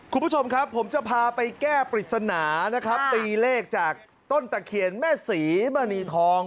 คุณผู้ชมครับผมจะพาไปแก้ปริศนานะครับตีเลขจากต้นตะเคียนแม่ศรีมณีทอง